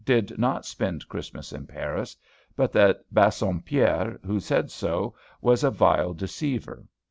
did not spend Christmas in Paris, but that Bassompierre, who said so, was a vile deceiver.